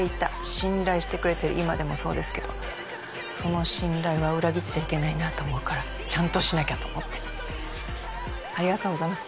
信頼してくれてる今でもそうですけどその信頼は裏切っちゃいけないなと思うからちゃんとしなきゃと思ってありがとうございます